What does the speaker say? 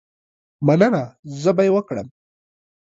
مننه، زه به یې وکړم.